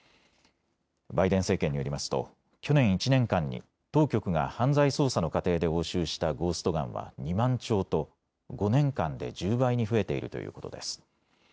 バイデン政権によりますと去年１年間に当局が犯罪捜査の過程で押収したゴースト・ガンは２万丁と５年間で１０倍に増えているということです。